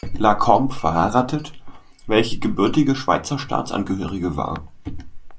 La Combe verheiratet, welche gebürtige Schweizer Staatsangehörige war.